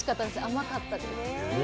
甘かったです。